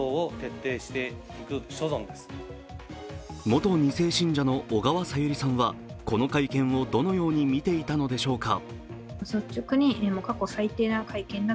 元２世信者の小川さゆりさんはこの会見をどのように見ていたのでしょうか。